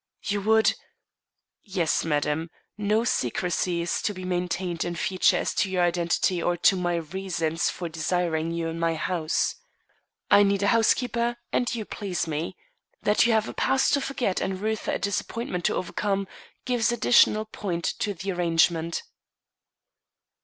"You would " "Yes, madam. No secrecy is to be maintained in future as to your identity or my reasons for desiring you in my house. I need a housekeeper and you please me. That you have a past to forget and Reuther a disappointment to overcome, gives additional point to the arrangement."